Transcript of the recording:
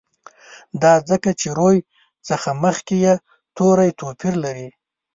دا ځکه چې روي څخه مخکي یې توري توپیر لري.